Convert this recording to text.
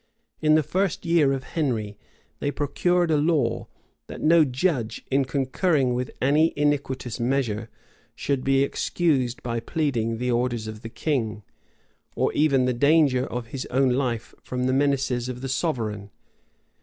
In the first year of Henry, they procured a law, that no judge, in concurring with any iniquitous measure, should be excused by pleading the orders of the king, or even the danger of his* own life from the menaces of the sovereign.